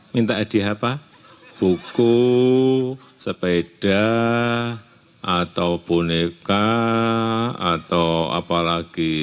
minta hadiah apa buku sepeda atau boneka atau apa lagi